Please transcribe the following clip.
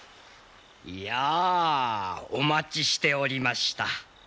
いやお待ちしておりました。